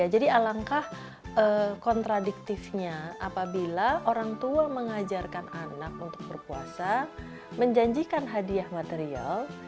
jadi alangkah kontradiktifnya apabila orang tua mengajarkan anak untuk berpuasa menjanjikan hadiah material